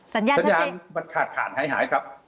สัญญาณมันขาดขาดหายครับ